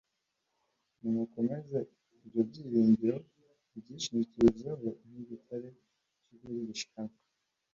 Nimukomeze ibyo byiringiro mubyishingikirijeho nk'igitare cy'ukuri gishikamye.